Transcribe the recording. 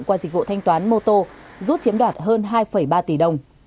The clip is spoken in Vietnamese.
qua dịch vụ thanh toán moto rút chiếm đoạt hơn hai ba tỷ đồng